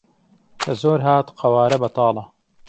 که زۆر هات قهواره بهتاڵه